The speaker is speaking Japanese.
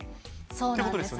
そうなんです。